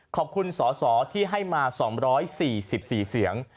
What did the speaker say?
ขอบคุณสอสอที่ให้มา๒๔๔เสียง